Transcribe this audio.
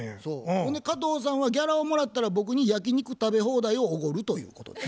ほんで加藤さんはギャラをもらったら僕に焼き肉食べ放題をおごるということで。